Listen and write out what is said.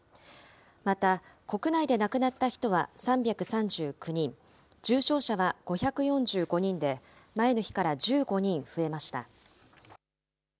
また、国内で亡くなった人は３３９人、重症者は５４５人で、前の日から１５人増えました。